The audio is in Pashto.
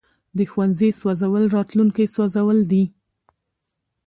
د ښوونځي سوځول راتلونکی سوځول دي.